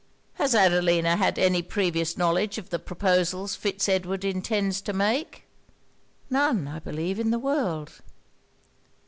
'Has Adelina had any previous knowledge of the proposals Fitz Edward intends to make?' 'None, I believe, in the world.'